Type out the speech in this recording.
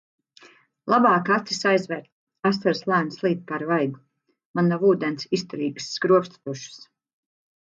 Labāk acis aizvērt. Asaras lēni slīd pār vaigu. Man nav ūdens izturīgas skropstu tušas.